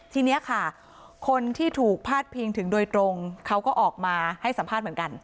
ทีนี้ค่ะคนที่ถูกพาดพิงถึงโดยตรงเขาก็ออกมาให้สัมภาษณ์เหมือนกัน